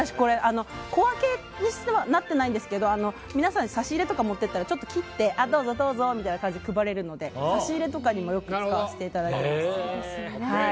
小分けにはなってないんですけど皆さんに差し入れとか持って行ったら、ちょっと切ってあ、どうぞみたいな感じで配れるので差し入れとかにもよく使わせてもらっています。